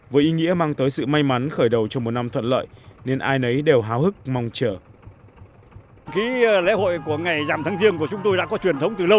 với ý nghĩa mang tới sự may mắn khởi đầu cho một năm thuận lợi nên ai nấy đều háo hức mong chờ